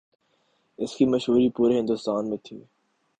اس کی مشہوری پورے ہندوستان میں تھی۔